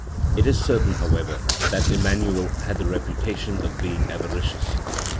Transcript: It is certain, however, that Emmanuel had the reputation of being avari cious.